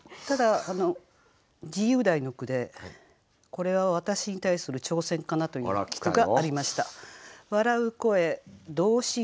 ただ自由題の句でこれは私に対する挑戦かなという句がありました。